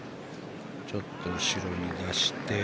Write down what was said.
ちょっと後ろに出して。